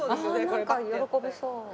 なんか喜びそう。